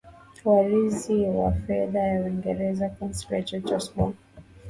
waziri wa fedha wa uingereza councellor george osborn